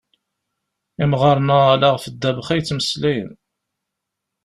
Imɣaren-a ala ɣef ddabex ay ttmeslayen.